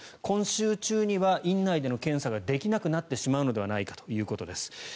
今週中には院内での検査ができなくなってしまうのではないかということです。